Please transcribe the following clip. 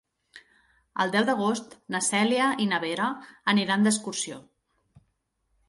El deu d'agost na Cèlia i na Vera aniran d'excursió.